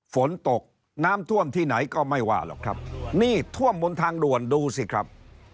ฝนตกน้ำท่วมที่ไหนก็ไม่ว่าหรอกครับนี่ท่วมบนทางด่วนดูสิครับ